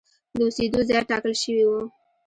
د اوسېدو ځای ټاکل شوی و.